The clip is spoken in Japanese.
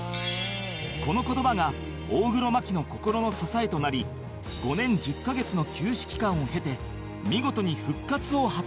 この言葉が大黒摩季の心の支えとなり５年１０カ月の休止期間を経て見事に復活を果たした